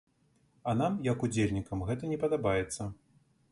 А нам, як удзельнікам, гэта не падабаецца.